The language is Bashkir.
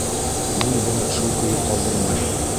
Мин быны шул көйө ҡалдырмайым.